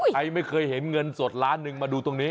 ใครไม่เคยเห็นเงินสด๑๐๐๐๐๐๐บาทมาดูตรงนี้